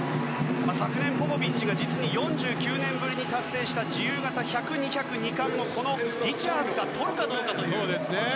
昨年、ポポビッチが実に４９年ぶりに達成した自由形１００、２００の２冠をリチャーズがとるかどうかという。